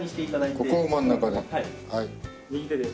ここを真ん中ね。